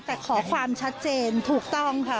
แต่ขอความชัดเจนถูกต้องค่ะ